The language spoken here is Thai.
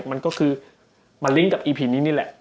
มันก็คือมาลิ้งกับอีพีนี้นี่แหละ